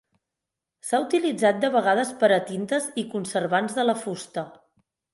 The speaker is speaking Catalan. S'ha utilitzat de vegades per a tintes i conservants de la fusta.